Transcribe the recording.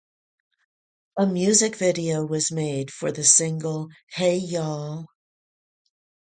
A music video was made for the single "Hey Y'all".